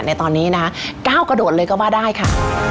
ในตอนนี้นะก้าวกระโดดเลยก็ว่าได้ค่ะ